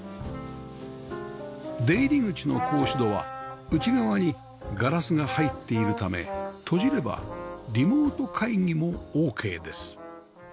出入り口の格子戸は内側にガラスが入っているため閉じればリモート会議もオーケーです